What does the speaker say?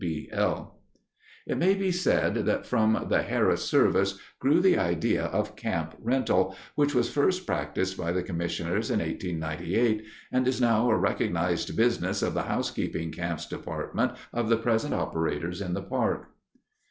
W B L It may be said that from the Harris service grew the idea of camp rental, which was first practiced by the commissioners in 1898 and is now a recognized business of the housekeeping camps department of the present operators in the park.